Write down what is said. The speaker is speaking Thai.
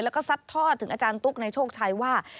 แล้วก็ซัดทอดถึงอาจารย์ตุ๊กในโชคชัยว่า